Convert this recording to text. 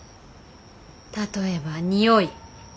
例えばにおい。